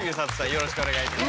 よろしくお願いします。